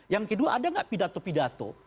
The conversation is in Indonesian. yang kedua ada nggak pidato pidato